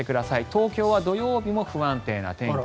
東京は土曜日も不安定な天気。